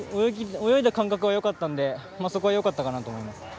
泳いだ感覚はよかったのでそこはよかったかなと思います。